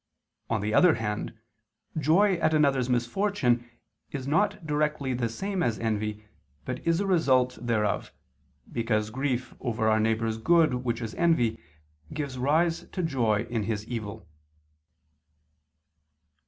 On the other hand, joy at another's misfortune is not directly the same as envy, but is a result thereof, because grief over our neighbor's good which is envy, gives rise to joy in his evil.